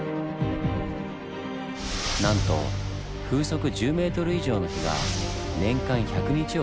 なんと風速１０ｍ以上の日が年間１００日を超える事も。